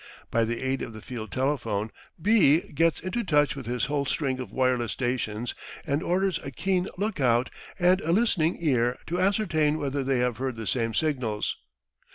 By the aid of the field telephone B gets into touch with his whole string of wireless stations and orders a keen look out and a listening ear to ascertain whether they have heard the same signals.